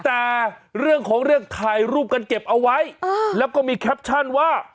แต่เรื่องของเรื่องถ่ายรูปกันเก็บเอาไว้แล้วก็มีแคปชั่นว่า